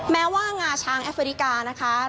แม้ว่างาช้างแอฟริกานะคะ